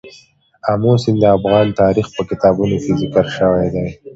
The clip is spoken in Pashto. آمو سیند د افغان تاریخ په کتابونو کې ذکر شوی دی.